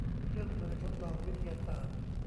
เครื่องมือทดลองวิทยาศาสตร์